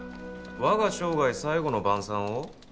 「我が生涯最後の晩餐」を？